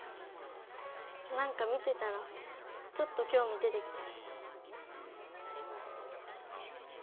なんか見てたらちょっときょうみ出てきた。